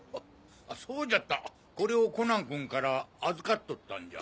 あそうじゃったこれをコナンくんから預かっとったんじゃ。